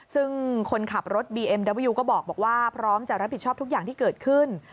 ซึ่งคนขับรถบีเอ็มดาวิยูก็บอกว่าพร้อมจะรับผิดชอบทุกอย่างที่เกิดขึ้น